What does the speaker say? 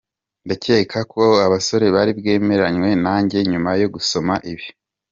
Ndacyeka abasore bari bwemeranywe nanjye nyuma yo gusoma ibi :.